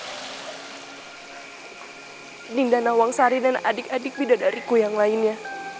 terima kasih bunda dinda nawangsari dan adik adik bidadariku yang lainnya